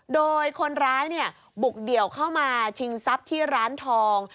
โดยคนร้ายบุกเดี่ยวเข้ามาชิงทรัพย์ที่ร้านทอง